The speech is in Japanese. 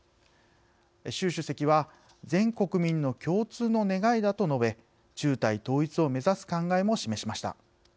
習主席は「全国民の共通の願いだ」と述べ中台統一を目指す考えも示しました。